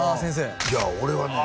いや俺はね